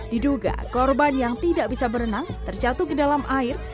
diduga korban yang tidak bisa berenang terjatuh ke dalam air